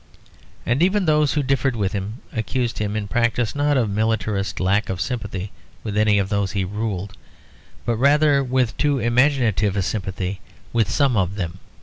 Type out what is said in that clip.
And even those who differed with him accused him in practice, not of militarist lack of sympathy with any of those he ruled, but rather with too imaginative a sympathy with some of them.